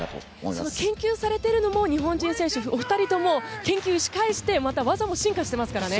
その研究されているのも日本人選手お二人とも研究し返してまた技も進化してますからね。